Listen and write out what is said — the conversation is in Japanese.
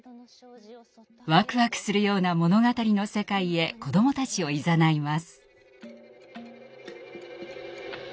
わくわくするような物語の世界へ子どもたちをいざないます。